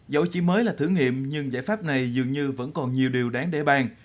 dẫu chỉ mới là thử nghiệm nhưng giải pháp này dường như vẫn còn nhiều điều đáng để bàn